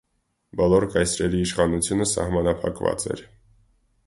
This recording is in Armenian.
Բոլոր կայսրերի իշխանությունը սահմանափակված էր։